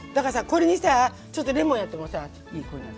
これにさちょっとレモンやってもさいい？